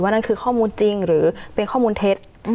นั่นคือข้อมูลจริงหรือเป็นข้อมูลเท็จ